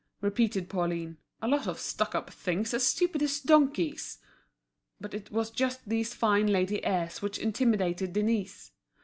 repeated Pauline, "a lot of stuck up things, as stupid as donkeys!" But it was just these fine lady airs which intimidated Denise.